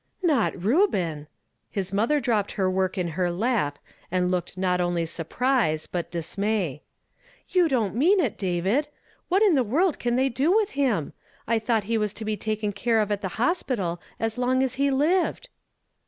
"Not Reuben !" His mother dropped her work in her lap, and looked not only surprise, but dis may. "You don't mean it, David I What in the world can they do with him? I thouglit he was to be taken care of at the hospital as long as he lived?"